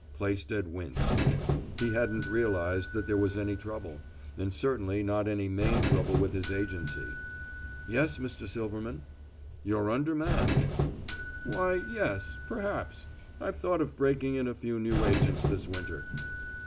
Plaisted winced. He hadn't realized that there was any trouble, and certainly not any main trouble with his agency. "Yes, Mr. Silverman." "You're undermanned." "Why, yes perhaps. I've thought of breaking in a few new agents this winter."